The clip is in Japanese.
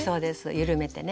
緩めてね。